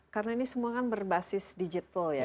karena ini semua kan berbasis digital ya